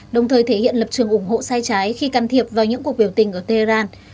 đồng thời thể hiện lập trường ủng hộ sai trái khi can thiệp vào những cuộc biểu tình ở tehran